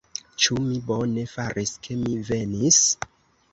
Ĉu mi bone faris, ke mi venis?